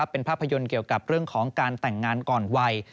เป็นภาพยนตร์เกี่ยวกับเรื่องของการแต่งงานก่อนวัย